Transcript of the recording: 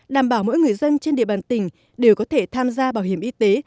đảm bảo mỗi người dân trên địa bàn tỉnh đều có thể tham gia bảo hiểm y tế